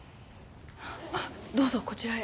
あっどうぞこちらへ。